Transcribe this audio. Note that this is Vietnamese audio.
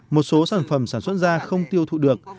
một số sản phẩm sản xuất ra không tiêu thụ được